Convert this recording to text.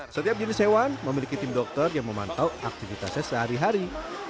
setiap jenis hewan memiliki tim dokter yang memantau aktivitasnya sehari hari